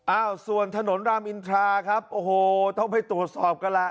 อ้าวส่วนถนนรามอินทราครับโอ้โหต้องไปตรวจสอบกันล่ะ